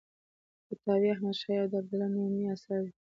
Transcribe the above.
فتاوی احمدشاهي د عبدالله نومي اثر دی.